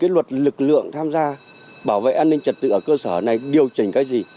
luật lượng tham gia bảo đảm an ninh trật tự ở cơ sở này điều chỉnh cái gì